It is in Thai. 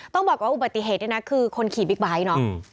ต้องบอกว่าอุบัติเหตุเนี่ยนะคือคนขี่บิ๊กไบท์เนาะ